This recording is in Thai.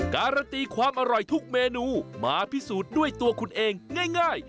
การันตีความอร่อยทุกเมนูมาพิสูจน์ด้วยตัวคุณเองง่าย